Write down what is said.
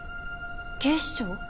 警視庁？